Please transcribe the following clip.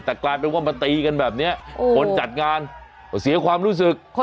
แต่กลายเป็นว่ามาตีกันแบบนี้คนจัดงานเสียความรู้สึก